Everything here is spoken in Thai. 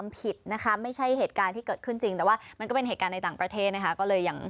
ไม่ใช่เหตุการณ์ที่เกิดขึ้นจริงแต่ว่ามันเป็นเหตุการณ์ในต่างประเทศนะคะ